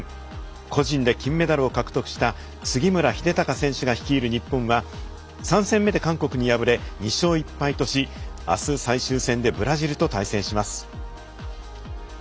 個人で金メダルを獲得した杉村英孝選手が率いる日本は３戦目で韓国に敗れ２勝１敗としあす最終戦でブラジルと対戦します。